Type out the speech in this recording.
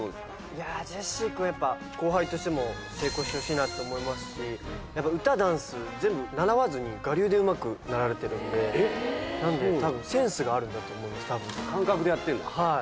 いやあジェシーくんやっぱ後輩としても成功してほしいなと思いますし歌ダンス全部習わずに我流でうまくなられてるんでたぶんセンスがあるんだと思います感覚でやってんだ？